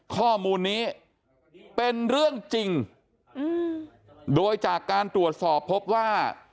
ข้อมูลนี้เป็นเรื่องจริงโดยจากการตรวจสอบพบว่า